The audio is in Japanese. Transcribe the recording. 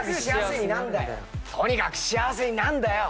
「とにかく幸せになるんだよ。」